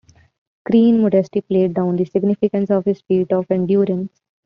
Crean modestly played down the significance of his feat of endurance.